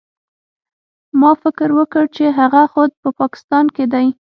ما فکر وکړ چې هغه خو په پاکستان کښې دى.